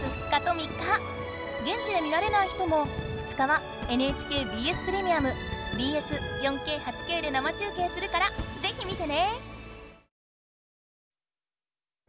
現地で見られない人も２日はＮＨＫＢＳプレミアムＢＳ４Ｋ８Ｋで生中継するからぜひ見てね。